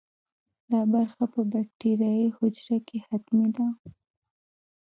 دا برخه په باکتریايي حجره کې حتمي ده.